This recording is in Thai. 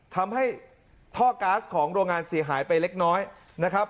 ทำให้ท่อก๊าซของโรงงานเสียหายไปเล็กน้อยนะครับ